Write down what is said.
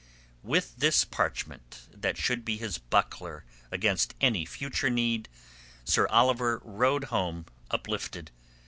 With this parchment that should be his buckler against any future need, Sir Oliver rode home, uplifted.